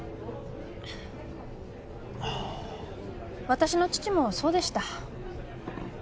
私の父もそうでした